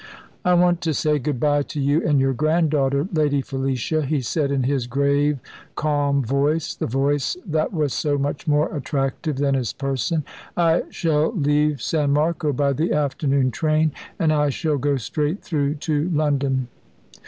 "I want to say good bye to you and your granddaughter, Lady Felicia," he said in his grave, calm voice, the voice that was so much more attractive than his person. "I shall leave San Marco by the afternoon train, and I shall go straight through to London."